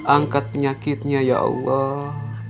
angkat penyakitnya ya allah